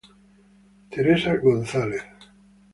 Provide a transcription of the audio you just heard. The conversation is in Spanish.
Teresa González.